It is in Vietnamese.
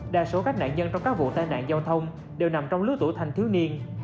đa số các nạn nhân trong các vụ tai nạn giao thông đều nằm trong lứa tuổi thanh thiếu niên